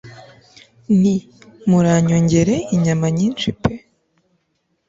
nti muranyongere inyama nyinshi pe